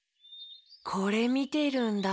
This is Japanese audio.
これみてるんだ。